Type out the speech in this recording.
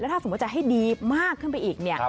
แล้วถ้าสมมติว่าจะให้ดีมากขึ้นไปอีกเนี่ย